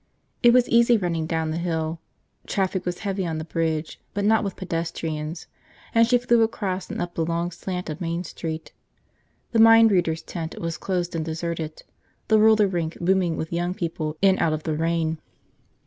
It was easy running down the hill. Traffic was heavy on the bridge, but not with pedestrians, and she flew across and up the long slant of Main Street. The mind reader's tent was closed and deserted, the roller rink booming with young people in out of the rain.